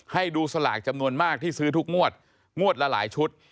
ให้ดูสลากจำนวนมากที่ซื้อทุกงวดงวดละหลายชุด